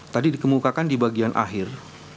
tadi dikemukakan di bagian akhir